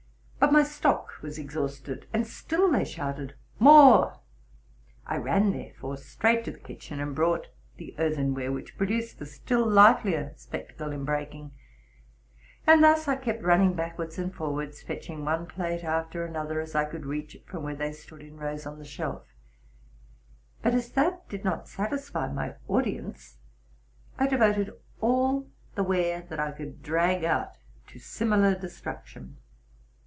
But my stock was exhausted ; and still they shouted, More.'' 1 ran, there fore, straight to the kitchen, and brought the earthenware, which produced «a still livelier spectacle in breaking; and RELATING TO MY LIFE. 11 thus I kept running backwards and forwards, fetching one plate after another, as I could reach it from where they stood in rows on the shelf. But, as that did not satisfy my audi ence, I devoted all the ware that I could drag out to similar destruction.